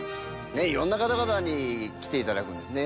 いろんな方々に来ていただくんですね